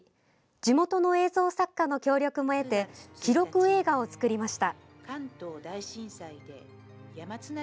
地元の映像作家の協力も得て記録映画を作りました。